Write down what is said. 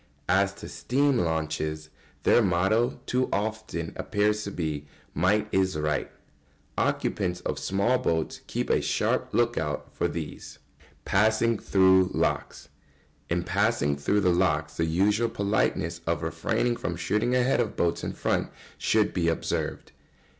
As to steam launches, their motto too often appears to be that "Might is right." Occupants of small boats keep a sharp look out for these. [Sidenote: Passing through locks.] In passing through the locks the usual politeness of refraining from shooting ahead of boats in front should be observed.